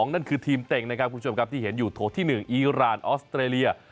นั่นคือทีมเต็งนะครับคุณผู้ชมครับที่เห็นอยู่โถที่๑อีรานออสเตรเลีย